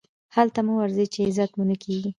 هلته مه ورځئ، چي عزت مو نه کېږي.